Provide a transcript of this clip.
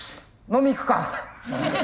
飲み行くか。